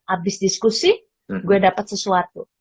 abis diskusi gue dapat sesuatu